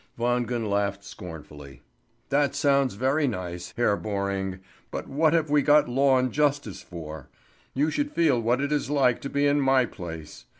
Wangen laughed scornfully. "That sounds very nice, Hr. Borring, but what have we got law and justice for? You should feel what it is like to be in my place.